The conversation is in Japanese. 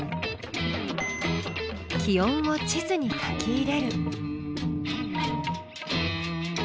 気温を地図に書き入れる。